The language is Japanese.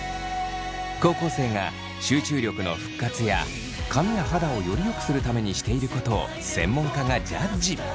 高校生が集中力の復活や髪や肌をよりよくするためにしていることを専門家がジャッジ。